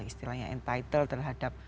istilahnya entitled terhadap